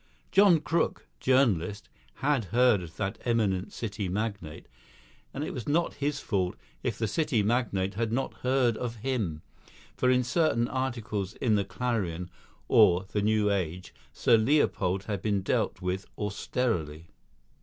John Crook, journalist, had heard of that eminent City magnate; and it was not his fault if the City magnate had not heard of him; for in certain articles in The Clarion or The New Age Sir Leopold had been dealt with austerely.